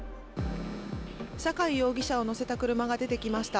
坂井容疑者を乗せた車が出てきました。